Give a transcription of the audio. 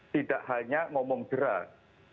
tidak hanya ngomong gerak